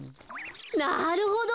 なるほど！